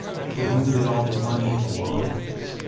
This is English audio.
To whom did all this money belong?